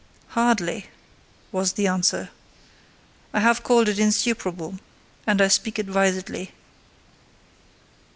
"Hardly," was the answer. "I have called it insuperable, and I speak advisedly."